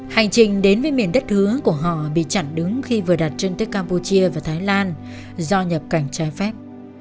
hành trình đến với miền đất hứa của họ bị chặn đứng khi vừa đặt chân tới campuchia và thái lan do nhập cảnh trái phép